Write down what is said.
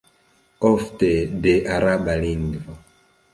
Ofte de Araba lingvo.